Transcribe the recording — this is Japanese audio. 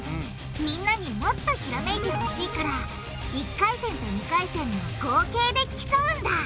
みんなにもっとひらめいてほしいから１回戦と２回戦の合計で競うんだ。